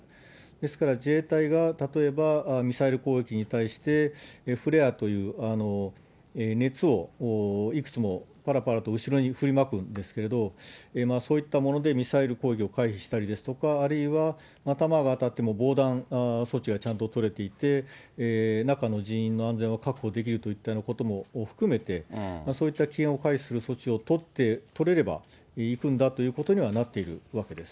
ですから自衛隊が例えば、ミサイル攻撃に対して、フレアという熱をいくつもぱらぱらと後ろに振りまくんですけれども、そういったものでミサイル攻撃を回避したりですとか、あるいは弾が当たっても防弾措置がちゃんと取れていて、中の人員の安全を確保できるといったようなことも含めて、そういった危険を回避する措置を取れれば行くんだということにはなっているわけです。